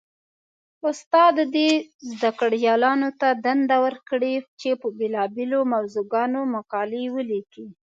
استاد دې زده کړيالانو ته دنده ورکړي؛ چې په بېلابېلو موضوعګانو مقالې وليکي.